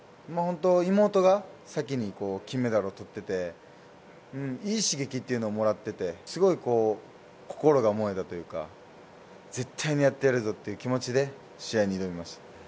妹が先に金メダルを取っていて、いい刺激っていうのをもらっていて、心が燃えたというか絶対にやってるぞという気持ちで試合に挑みました。